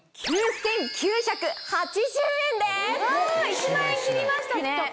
１万円切りましたね！